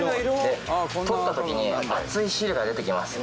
取ったときに熱い汁が出てきます。